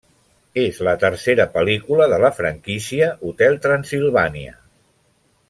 És la tercera pel·lícula de la franquícia Hotel Transsilvània.